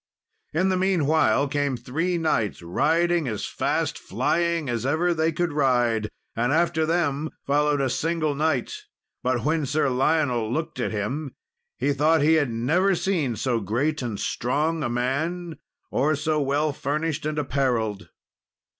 In the meanwhile came three knights, riding as fast flying as ever they could ride, and after them followed a single knight; but when Sir Lionel looked at him, he thought he had never seen so great and strong a man, or so well furnished and apparelled.